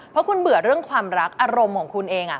เพราะคุณเบื่อเรื่องความรักอารมณ์ของคุณเอง